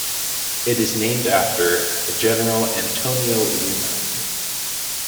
It is named after General Antonio Luna.